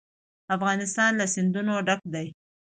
افغانستان له سیندونه ډک دی.